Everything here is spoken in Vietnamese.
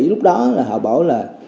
lúc đó là họ bảo là